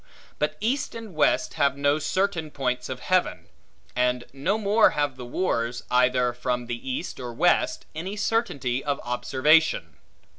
But east and west have no certain points of heaven; and no more have the wars, either from the east or west, any certainty of observation.